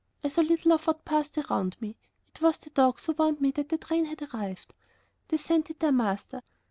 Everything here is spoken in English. I saw little of what passed around me. It was the dogs who warned me that the train had arrived. They scented their master.